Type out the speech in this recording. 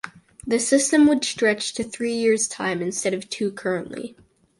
The system would stretch to three years time instead of two currently.